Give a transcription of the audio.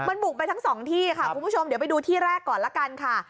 มันบุกไปทั้งสองที่ค่ะคุณผู้ชมเดี๋ยวไปดูที่แรกก่อนละกันค่ะ